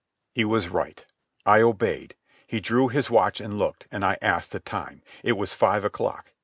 He was right. I obeyed. He drew his watch and looked, and I asked the time. It was five o'clock.